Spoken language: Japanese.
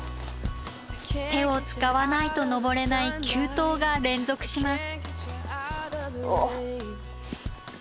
手を使わないと登れない急登が連続します。